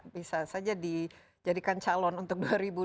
bisa saja dijadikan calon untuk dua ribu dua puluh